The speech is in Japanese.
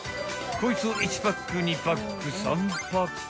［こいつを１パック２パック３パック］